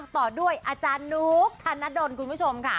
ต่อด้วยอาจารย์นุ๊กธนดลคุณผู้ชมค่ะ